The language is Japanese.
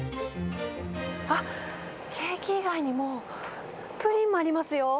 あっ、ケーキ以外にも、プリンもありますよ。